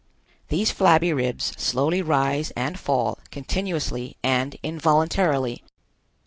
These flabby ribs slowly rise and fall continuously and involuntarily.